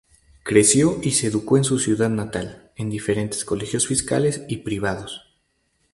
Creció y se educó en su ciudad natal, en diferentes colegios fiscales y privados.